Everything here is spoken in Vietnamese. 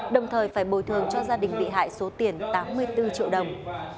đồng thời phải bồi thường cho gia đình bị hại số tiền tám mươi bốn triệu đồng